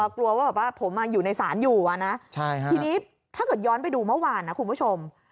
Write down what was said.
กลัวว่าแบบว่าผมอยู่ในศาลอยู่นะทีนี้ถ้าเกิดย้อนไปดูเมื่อวานนะคุณผู้ชม